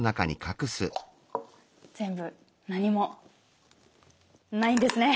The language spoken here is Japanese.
全部何もないんですね！